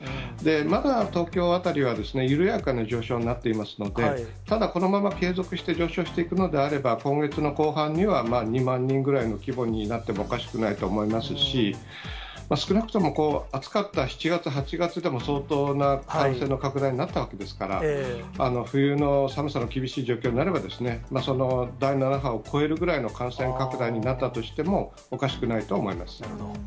まだ東京辺りは、緩やかな上昇になっていますので、ただ、このまま継続して上昇していくのであれば、今月の後半には２万人ぐらいの規模になってもおかしくないと思いますし、少なくとも暑かった７月、８月でも相当な感染の拡大になったわけですから、冬の寒さが厳しい状況になれば、その第７波を超えるぐらいの感染拡大になったとしても、なるほど。